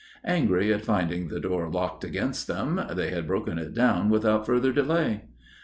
Angry at finding the door locked against them, they had broken it down without further delay.